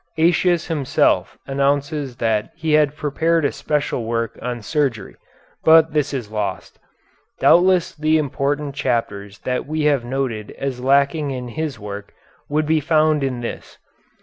Aëtius himself announces that he had prepared a special work on surgery, but this is lost. Doubtless the important chapters that we have noted as lacking in his work would be found in this.